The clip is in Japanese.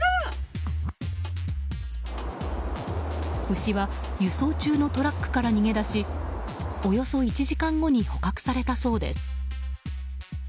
牛は輸送中のトラックから逃げ出しおよそ１時間後に捕獲されたそうです。